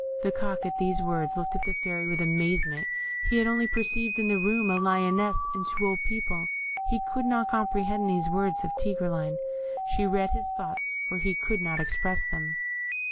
The Cock at these words looked at the Fairy with amazement; he had only perceived in the room a lioness and two old people; he could not comprehend these words of Tigreline; she read his thoughts, for he could not express them.